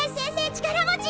力持ち！